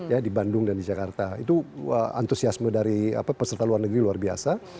ya di bandung dan di jakarta itu antusiasme dari peserta luar negeri luar biasa